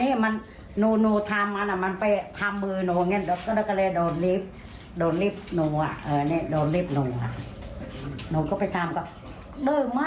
เทียบคุยใจจ้ะ